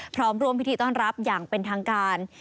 พร้อมร่วมพิธีต้อนรับอย่างเป็นทางการ